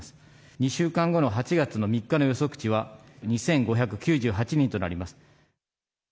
２週間後の８月の３日の予測値は２５９８人となります。